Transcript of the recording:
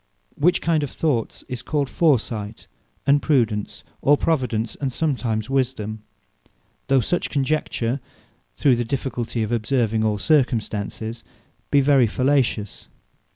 Which kind of thoughts, is called Foresight, and Prudence, or Providence; and sometimes Wisdome; though such conjecture, through the difficulty of observing all circumstances, be very fallacious.